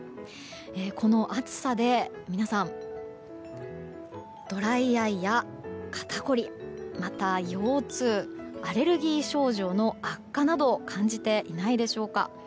この暑さで皆さんドライアイや肩こりまた、腰痛アレルギー症状の悪化など感じていないでしょうか。